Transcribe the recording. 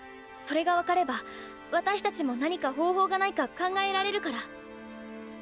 それが分かれば私たちも何か方法がないか考えられるから。